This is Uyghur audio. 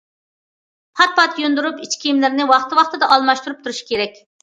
پات- پات يۇيۇندۇرۇپ، ئىچ كىيىملىرىنى ۋاقتى- ۋاقتىدا ئالماشتۇرۇپ تۇرۇش كېرەك.